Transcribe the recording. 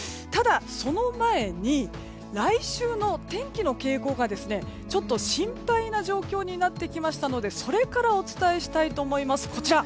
ただ、その前に来週の天気の傾向がちょっと心配な状況になってきましたのでそれからお伝えしたいと思います。